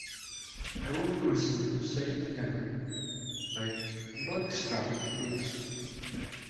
i want to listen to Say It Again by Blackstratblues